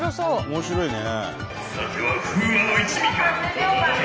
面白いね。